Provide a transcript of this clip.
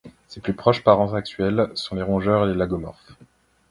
Ses plus proches parents actuels sont les rongeurs et les lagomorphes.